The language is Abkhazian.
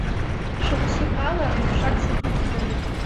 Шықәсык ала рыбжак сырхынҳәуеит.